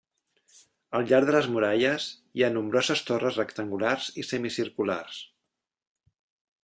Al llarg de les muralles hi ha nombroses torres rectangulars i semicirculars.